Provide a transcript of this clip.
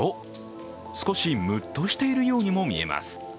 少しムッとしているようにも見えます。